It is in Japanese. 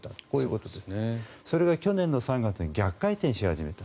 これが去年の３月に逆回転し始めた。